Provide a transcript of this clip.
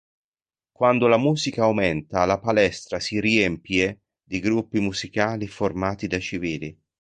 Quando la musica aumenta, la palestra si riempie di gruppi musicali formati da civili.